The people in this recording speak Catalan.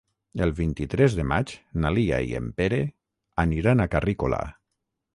El vint-i-tres de maig na Lia i en Pere aniran a Carrícola.